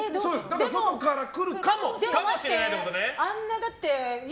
だから外から来るかもしれない。